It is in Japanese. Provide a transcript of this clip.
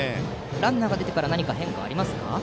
ランナーが出てから何か変化はありますか？